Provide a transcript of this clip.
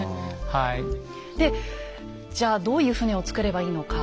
でじゃあどういう船を造ればいいのか。